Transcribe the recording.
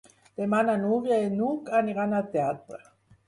Demà na Núria i n'Hug aniran al teatre.